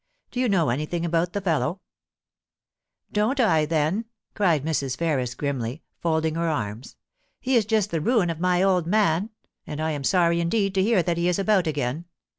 Do you know anything about the fellow ?'* Don't I, then !* cried Mrs. Ferris grimly, folding her arms. * He is just the ruin of my old man ; and I am sorry indeed to hear that he is about again.